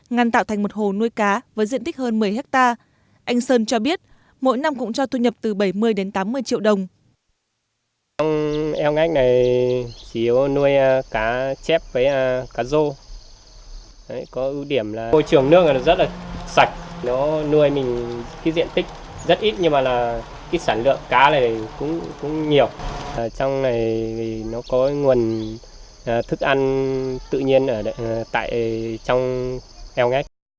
ngăn tạo thành một hồ nuôi cá với diện tích hơn một mươi hectare anh sơn cho biết mỗi năm cũng cho thu nhập từ bảy mươi đến tám mươi triệu đồng